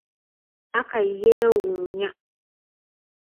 Akai yeewuunya!